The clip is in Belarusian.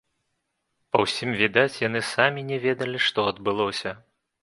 Па ўсім відаць, яны самі не ведалі, што адбылося.